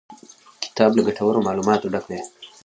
کتاب له ګټورو معلوماتو ډک دی.